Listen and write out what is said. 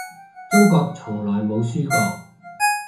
中國從來冇輸過